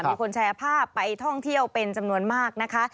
มีคนแชร์ภาพไปท่องเที่ยวเป็นจำนวนมากนะคะ